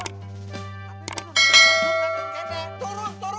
oh ini orang muda